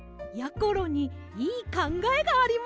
ころにいいかんがえがあります。